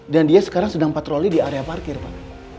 dan dia sekarang sedang patroli di area parkir pak